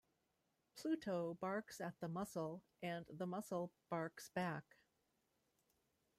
Pluto barks at the mussel and the mussel barks back.